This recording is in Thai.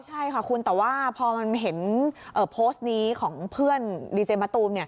ใช่ค่ะคุณแต่ว่าพอมันเห็นโพสต์นี้ของเพื่อนดีเจมะตูมเนี่ย